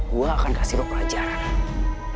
gue akan kasih gue pelajaran